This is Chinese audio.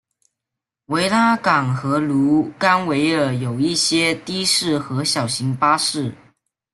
维拉港和卢甘维尔有一些的士和小型巴士。